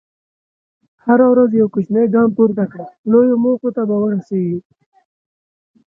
هره ورځ یو کوچنی ګام پورته کړه، لویو موخو ته به ورسېږې.